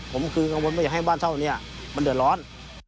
ผมคืนข้างบนไม่ให้บ้านเช่าอันนี้มันเดือดร้อน